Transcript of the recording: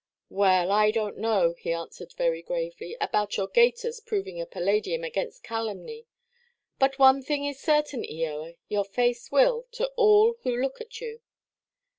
"Well, I donʼt know," he answered, very gravely, "about your gaiters proving a Palladium against calumny. But one thing is certain, Eoa, your face will, to all who look at you.